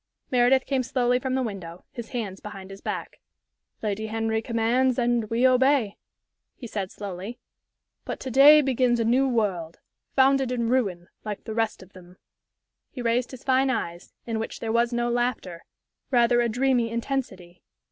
Meredith came slowly from the window, his hands behind his back. "Lady Henry commands and we obey," he said, slowly. "But to day begins a new world founded in ruin, like the rest of them." He raised his fine eyes, in which there was no laughter, rather a dreamy intensity.